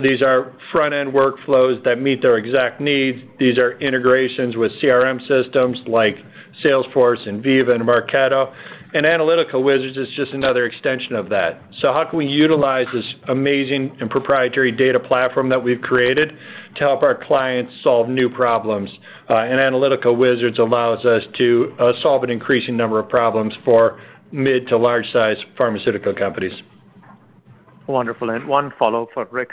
These are front-end workflows that meet their exact needs. These are integrations with CRM systems like Salesforce and Veeva and Marketo. Analytical Wizards is just another extension of that. How can we utilize this amazing and proprietary data platform that we've created to help our clients solve new problems? Analytical Wizards allows us to solve an increasing number of problems for mid to large-size pharmaceutical companies. Wonderful. One follow for Rick.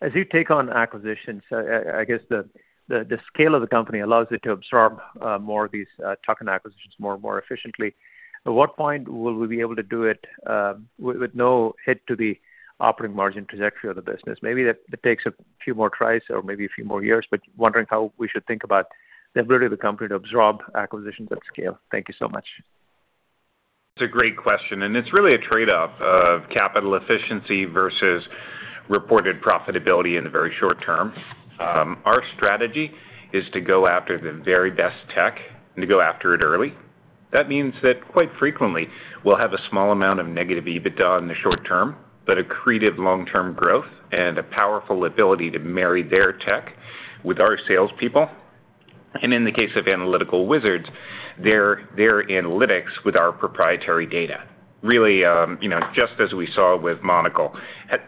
As you take on acquisitions, I guess the scale of the company allows it to absorb more of these tuck-in acquisitions more and more efficiently. At what point will we be able to do it with no hit to the operating margin trajectory of the business? Maybe that takes a few more tries or maybe a few more years, but wondering how we should think about the ability of the company to absorb acquisitions at scale. Thank you so much. It's a great question, and it's really a trade-off of capital efficiency versus reported profitability in the very short-term. Our strategy is to go after the very best tech and to go after it early. That means that quite frequently we'll have a small amount of negative EBITDA in the short term, but accretive long-term growth and a powerful ability to marry their tech with our salespeople. In the case of Analytical Wizards, their analytics with our proprietary data. Really, you know, just as we saw with Monocl,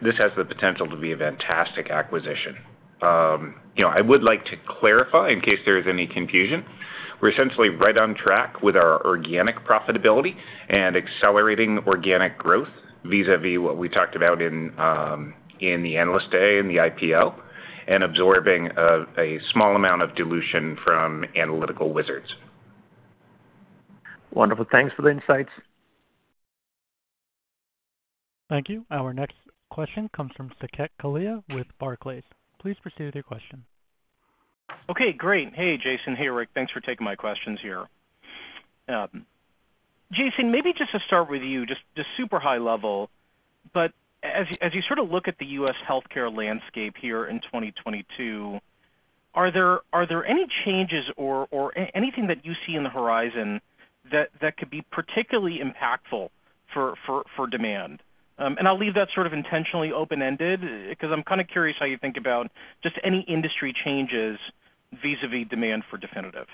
this has the potential to be a fantastic acquisition. You know, I would like to clarify in case there is any confusion. We're essentially right on track with our organic profitability and accelerating organic growth vis-a-vis what we talked about in the Analyst Day and the IPO, and absorbing a small amount of dilution from Analytical Wizards. Wonderful. Thanks for the insights. Thank you. Our next question comes from Saket Kalia with Barclays. Please proceed with your question. Okay, great. Hey, Jason. Hey, Rick. Thanks for taking my questions here. Jason, maybe just to start with you, just super high level, but as you sort of look at the U.S. healthcare landscape here in 2022, are there any changes or anything that you see in the horizon that could be particularly impactful for demand? I'll leave that sort of intentionally open-ended because I'm kind of curious how you think about just any industry changes vis-a-vis demand for Definitive.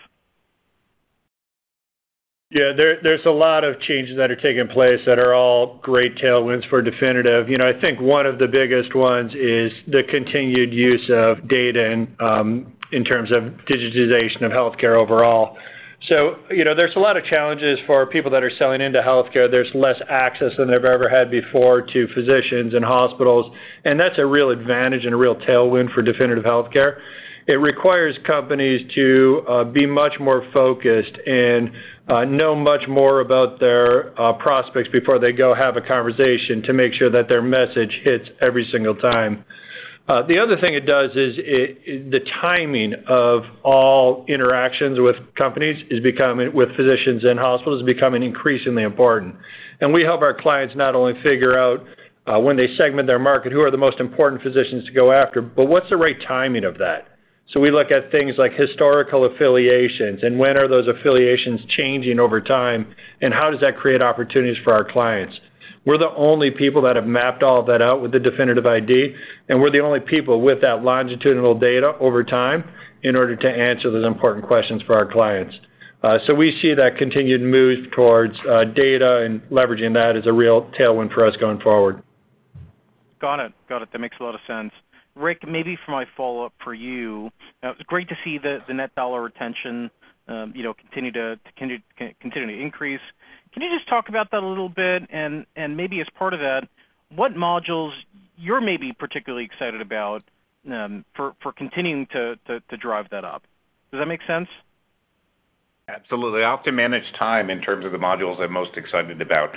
Yeah, there's a lot of changes that are taking place that are all great tailwinds for Definitive. You know, I think one of the biggest ones is the continued use of data and in terms of digitization of healthcare overall. You know, there's a lot of challenges for people that are selling into healthcare. There's less access than they've ever had before to physicians and hospitals, and that's a real advantage and a real tailwind for Definitive Healthcare. It requires companies to be much more focused and know much more about their prospects before they go have a conversation to make sure that their message hits every single time. The other thing it does is the timing of all interactions with physicians and hospitals is becoming increasingly important. We help our clients not only figure out when they segment their market, who are the most important physicians to go after, but what's the right timing of that. We look at things like historical affiliations and when are those affiliations changing over time, and how does that create opportunities for our clients. We're the only people that have mapped all that out with the Definitive ID, and we're the only people with that longitudinal data over time in order to answer those important questions for our clients. We see that continued move towards data and leveraging that as a real tailwind for us going forward. Got it. That makes a lot of sense. Rick, maybe for my follow-up for you. It's great to see the net dollar retention, you know, continue to increase. Can you just talk about that a little bit? Maybe as part of that, what modules you're maybe particularly excited about for continuing to drive that up? Does that make sense? Absolutely. I'll have to manage time in terms of the modules I'm most excited about.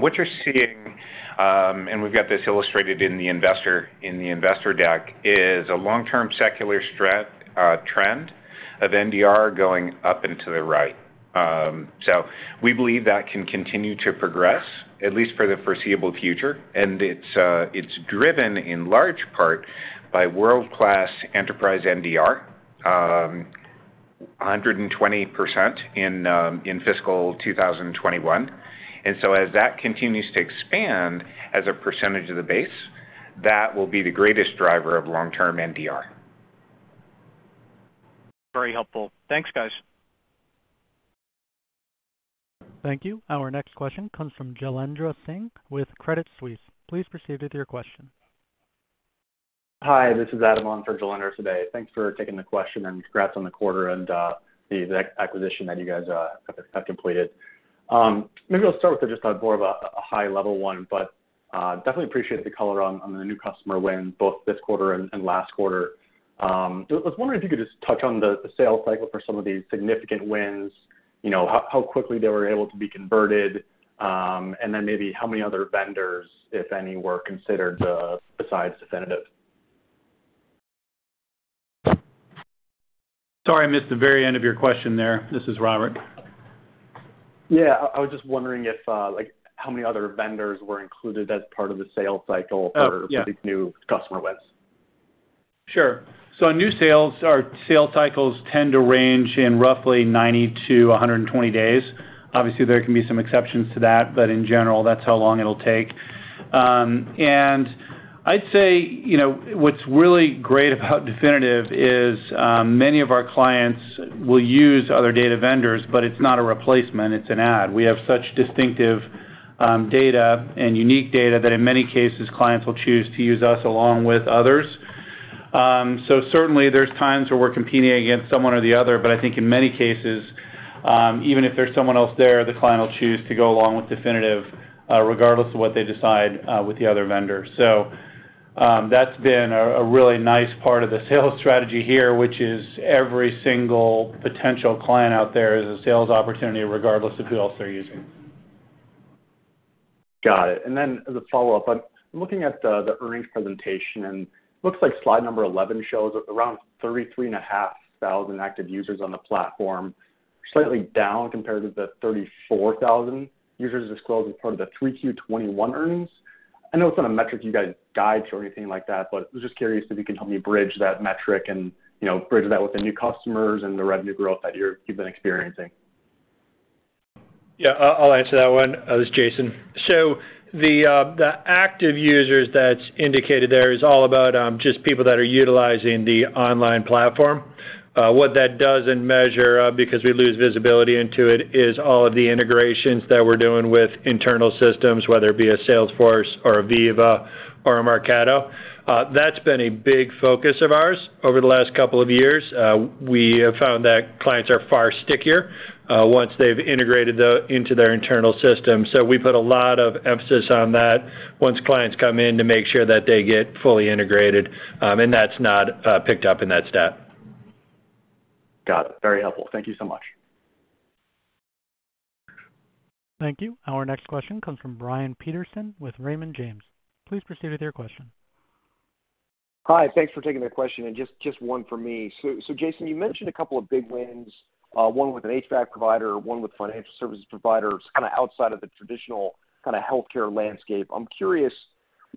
What you're seeing, and we've got this illustrated in the investor deck, is a long-term secular trend of NDR going up into the right. We believe that can continue to progress, at least for the foreseeable future. It's driven in large part by world-class enterprise NDR, 100% in fiscal 2021. As that continues to expand as a percentage of the base, that will be the greatest driver of long-term NDR. Very helpful. Thanks, guys. Thank you. Our next question comes from Jailendra Singh with Credit Suisse. Please proceed with your question. Hi, this is Adam for Jailendra today. Thanks for taking the question and congrats on the quarter and the acquisition that you guys have completed. Maybe I'll start with just more of a high-level one. Definitely appreciate the color on the new customer win, both this quarter and last quarter. So I was wondering if you could just touch on the sales cycle for some of these significant wins, you know, how quickly they were able to be converted, and then maybe how many other vendors, if any, were considered, besides Definitive. Sorry, I missed the very end of your question there. This is Robert. Yeah. I was just wondering if, like, how many other vendors were included as part of the sales cycle? Oh, yeah. for these new customer wins. Sure. On new sales, our sales cycles tend to range in roughly 90 days-120 days. Obviously, there can be some exceptions to that, but in general, that's how long it'll take. And I'd say, you know, what's really great about Definitive is, many of our clients will use other data vendors, but it's not a replacement, it's an add. We have such distinctive, data and unique data that in many cases, clients will choose to use us along with others. Certainly there's times where we're competing against someone or the other, but I think in many cases, even if there's someone else there, the client will choose to go along with Definitive, regardless of what they decide, with the other vendors. That's been a really nice part of the sales strategy here, which is every single potential client out there is a sales opportunity regardless of who else they're using. Got it. I'm looking at the earnings presentation, and it looks like slide number 11 shows around 33,500 active users on the platform, slightly down compared to the 34,000 users disclosed as part of the 3Q 2021 earnings. I know it's not a metric you guys guide to or anything like that, but I was just curious if you can help me bridge that metric and, you know, bridge that with the new customers and the revenue growth that you've been experiencing. Yeah. I'll answer that one. This is Jason. The active users that's indicated there is all about just people that are utilizing the online platform. What that doesn't measure, because we lose visibility into it, is all of the integrations that we're doing with internal systems, whether it be a Salesforce or a Veeva or a Marketo. That's been a big focus of ours over the last couple of years. We have found that clients are far stickier once they've integrated into their internal system. We put a lot of emphasis on that once clients come in to make sure that they get fully integrated, and that's not picked up in that stat. Got it. Very helpful. Thank you so much. Thank you. Our next question comes from Brian Peterson with Raymond James. Please proceed with your question. Hi. Thanks for taking the question, and just one for me. Jason, you mentioned a couple of big wins, one with an HVAC provider, one with financial services provider. It's kinda outside of the traditional kinda healthcare landscape. I'm curious,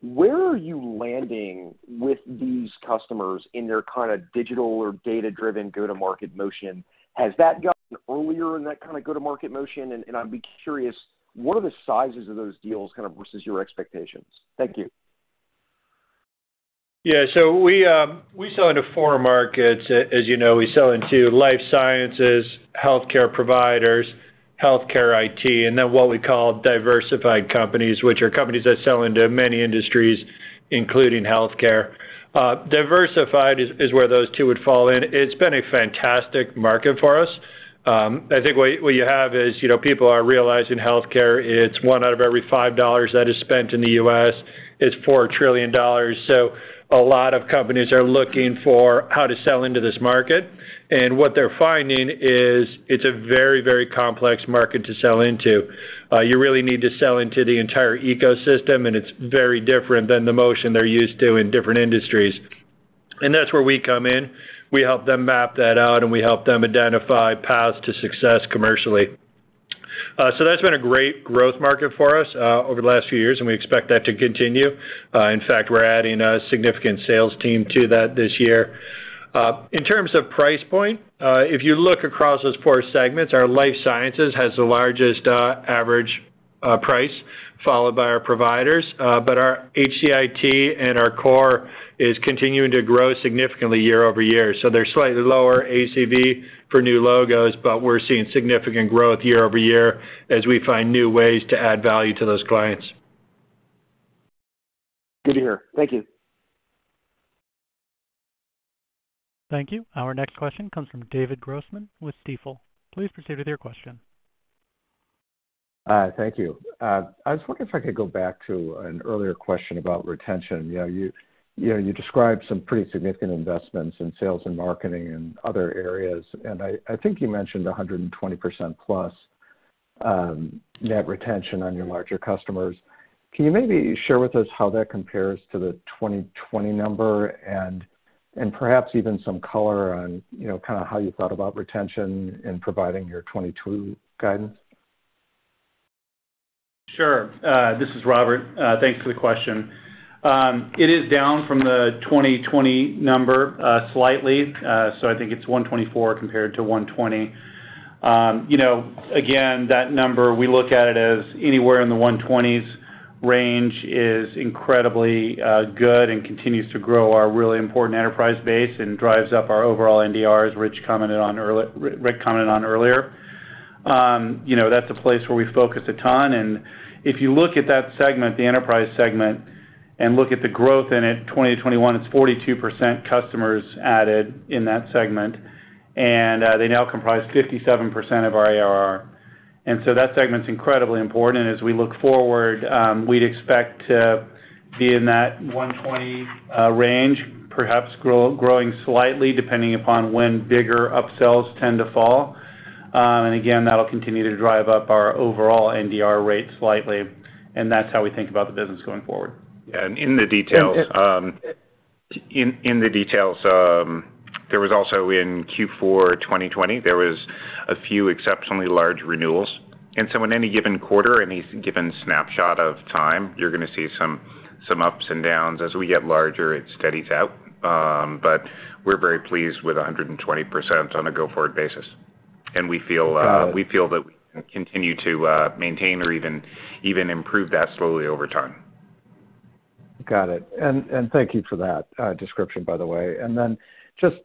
where are you landing with these customers in their kinda digital or data-driven go-to-market motion? Has that gotten earlier in that kinda go-to-market motion? I'd be curious, what are the sizes of those deals kinda versus your expectations? Thank you. Yeah. We sell into four markets. As you know, we sell into life sciences, healthcare providers, healthcare IT, and then what we call diversified companies, which are companies that sell into many industries, including healthcare. Diversified is where those two would fall in. It's been a fantastic market for us. I think what you have is, you know, people are realizing healthcare, it's one out of every five dollars that is spent in the U.S. It's $4 trillion. A lot of companies are looking for how to sell into this market, and what they're finding is it's a very, very complex market to sell into. You really need to sell into the entire ecosystem, and it's very different than the motion they're used to in different industries. That's where we come in. We help them map that out, and we help them identify paths to success commercially. That's been a great growth market for us over the last few years, and we expect that to continue. In fact, we're adding a significant sales team to that this year. In terms of price point, if you look across those four segments, our Life Sciences has the largest average price, followed by our Providers. Our HCIT and our Core is continuing to grow significantly year-over-year. They're slightly lower ACV for new logos, but we're seeing significant growth year-over-year as we find new ways to add value to those clients. Good to hear. Thank you. Thank you. Our next question comes from David Grossman with Stifel. Please proceed with your question. Thank you. I was wondering if I could go back to an earlier question about retention. You know, you described some pretty significant investments in sales and marketing and other areas, and I think you mentioned 100%+ net retention on your larger customers. Can you maybe share with us how that compares to the 2020 number and perhaps even some color on, you know, kinda how you thought about retention in providing your 2022 guidance? Sure. This is Robert. Thanks for the question. It is down from the 2020 number, slightly. So I think it's 124 compared to 120. You know, again, that number, we look at it as anywhere in the 120s range is incredibly good and continues to grow our really important enterprise base and drives up our overall NDR, as Rick commented on earlier. You know, that's a place where we focus a ton, and if you look at that segment, the enterprise segment, and look at the growth in it, 2020 to 2021, it's 42% customers added in that segment. They now comprise 57% of our ARR. That segment's incredibly important. As we look forward, we'd expect to be in that 120% range, perhaps growing slightly depending upon when bigger upsells tend to fall. Again, that'll continue to drive up our overall NDR rate slightly, and that's how we think about the business going forward. Yeah. In the details. In the details, there was also in Q4 2020, there was a few exceptionally large renewals. In any given quarter, any given snapshot of time, you're gonna see some ups and downs. As we get larger, it steadies out. We're very pleased with 120% on a go-forward basis. We feel that we can continue to maintain or even improve that slowly over time. Got it. Thank you for that, description, by the way. Just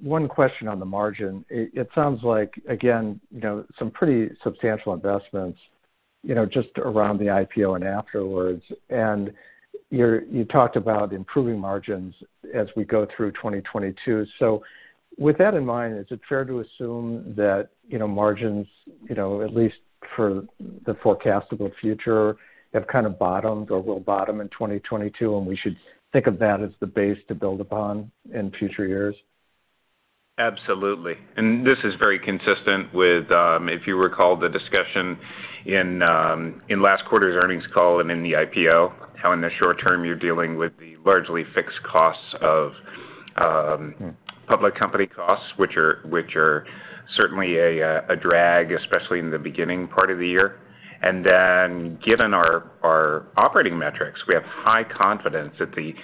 one question on the margins. It sounds like, again, you know, some pretty substantial investments, you know, just around the IPO and afterwards. You talked about improving margins as we go through 2022. With that in mind, is it fair to assume that, you know, margins, you know, at least for the foreseeable future, have kind of bottomed or will bottom in 2022, and we should think of that as the base to build upon in future years? Absolutely. This is very consistent with, if you recall the discussion in last quarter's earnings call and in the IPO, how in the short term you're dealing with the largely fixed costs of public company costs, which are certainly a drag, especially in the beginning part of the year. Then given our operating metrics, we have high confidence that the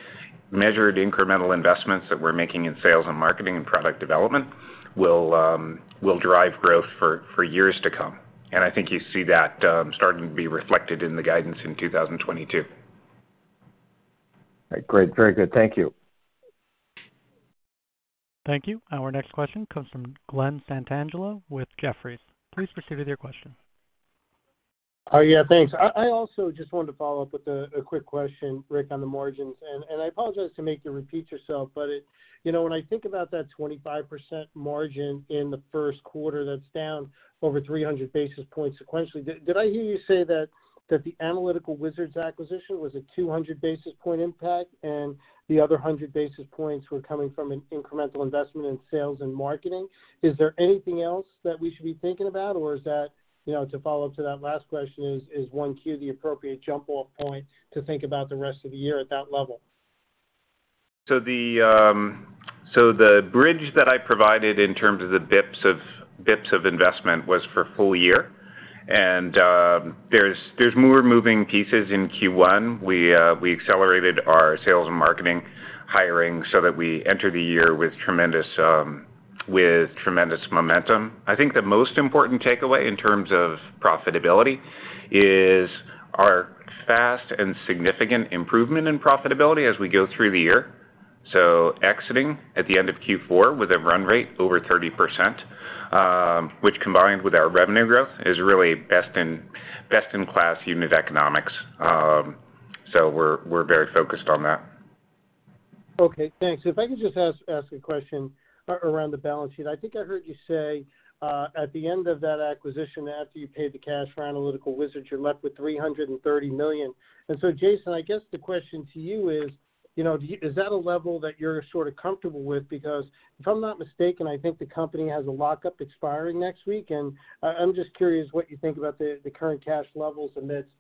measured incremental investments that we're making in sales and marketing and product development will drive growth for years to come. I think you see that starting to be reflected in the guidance in 2022. All right. Great. Very good. Thank you. Thank you. Our next question comes from Glen Santangelo with Jefferies. Please proceed with your question. Yeah, thanks. I also just wanted to follow up with a quick question, Rick, on the margins. I apologize to make you repeat yourself, but you know, when I think about that 25% margin in the first quarter, that's down over 300 basis points sequentially. Did I hear you say that the Analytical Wizards acquisition was a 200 basis point impact, and the other 100 basis points were coming from an incremental investment in sales and marketing? Is there anything else that we should be thinking about, or is that, you know, to follow up to that last question, is 1Q the appropriate jump-off point to think about the rest of the year at that level? The bridge that I provided in terms of the BPS of investment was for full-year. There's more moving pieces in Q1. We accelerated our sales and marketing hiring so that we enter the year with tremendous momentum. I think the most important takeaway in terms of profitability is our fast and significant improvement in profitability as we go through the year. Exiting at the end of Q4 with a run rate over 30%, which combined with our revenue growth is really best-in-class unit economics. We're very focused on that. Okay, thanks. If I could just ask a question around the balance sheet. I think I heard you say at the end of that acquisition, after you paid the cash for Analytical Wizards, you're left with $330 million. Jason, I guess the question to you is, you know, is that a level that you're sort of comfortable with? Because if I'm not mistaken, I think the company has a lockup expiring next week. I'm just curious what you think about the current cash levels amidst,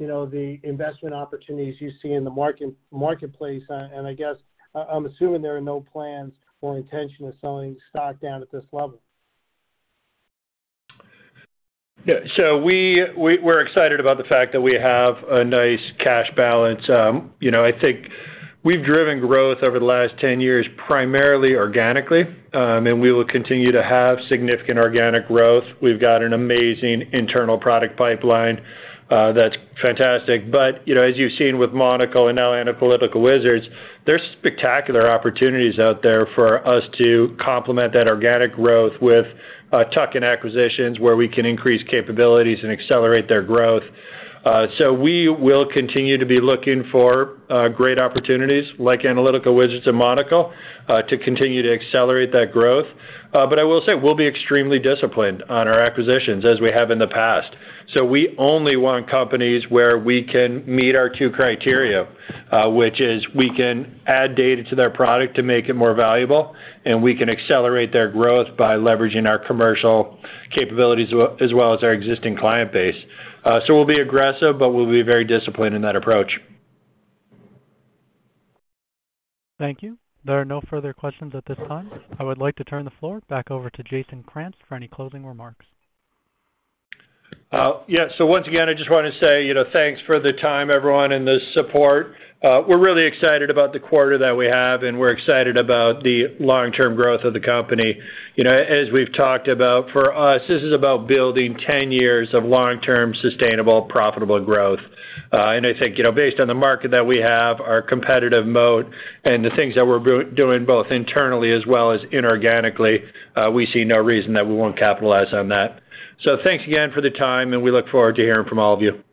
you know, the investment opportunities you see in the marketplace. I guess I'm assuming there are no plans or intention of selling stock down at this level. Yeah. We’re excited about the fact that we have a nice cash balance. You know, I think we’ve driven growth over the last 10 years primarily organically, and we will continue to have significant organic growth. We’ve got an amazing internal product pipeline, that’s fantastic. You know, as you’ve seen with Monocl and now Analytical Wizards, there’s spectacular opportunities out there for us to complement that organic growth with tuck-in acquisitions where we can increase capabilities and accelerate their growth. We will continue to be looking for great opportunities like Analytical Wizards and Monocl to continue to accelerate that growth. I will say, we’ll be extremely disciplined on our acquisitions as we have in the past. We only want companies where we can meet our two criteria, which is we can add data to their product to make it more valuable, and we can accelerate their growth by leveraging our commercial capabilities as well as our existing client base. We'll be aggressive, but we'll be very disciplined in that approach. Thank you. There are no further questions at this time. I would like to turn the floor back over to Jason Krantz for any closing remarks. Yeah. Once again, I just wanna say, you know, thanks for the time, everyone, and the support. We're really excited about the quarter that we have, and we're excited about the long-term growth of the company. You know, as we've talked about, for us, this is about building 10 years of long-term, sustainable, profitable growth. I think, you know, based on the market that we have, our competitive moat, and the things that we're doing both internally as well as inorganically, we see no reason that we won't capitalize on that. Thanks again for the time, and we look forward to hearing from all of you.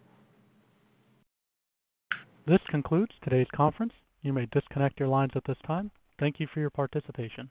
This concludes today's conference. You may disconnect your lines at this time. Thank you for your participation.